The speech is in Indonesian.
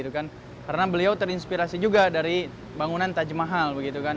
karena beliau terinspirasi juga dari bangunan taj mahal